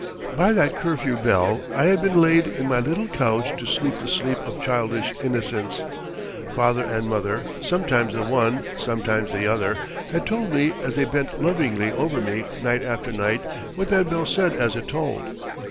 By that curfew bell I had been laid in my little couch to sleep the sleep of childish innocence. Father and mother, sometimes the one, sometimes the other, had told me as they bent lovingly over me night after night, what that bell said as it tolled.